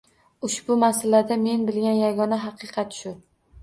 Ushbu masalada men bilgan yagona haqiqat shu.